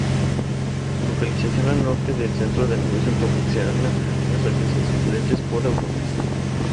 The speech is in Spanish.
Su localización al norte del centro de negocios proporciona unos accesos excelentes por autopista.